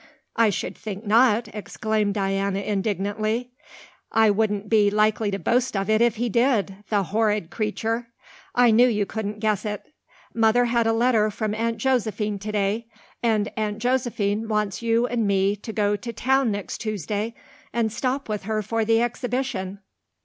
"I should think not," exclaimed Diana indignantly. "I wouldn't be likely to boast of it if he did, the horrid creature! I knew you couldn't guess it. Mother had a letter from Aunt Josephine today, and Aunt Josephine wants you and me to go to town next Tuesday and stop with her for the Exhibition.